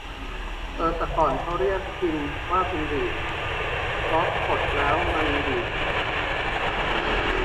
เออ ตะก่อนเค้าเรียกพิมพ์ว่าพิมพ์ดีด เพราะกดแล้วมันดีด